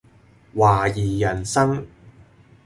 懷疑人生